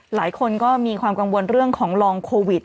หลายคนก็มีความกังวลเรื่องของลองโควิด